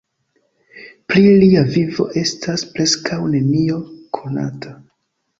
Pri lia vivo estas preskaŭ nenio konata.